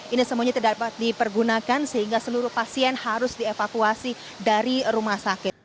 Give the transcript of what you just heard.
ini semuanya tidak dapat dipergunakan sehingga seluruh pasien harus dievakuasi dari rumah sakit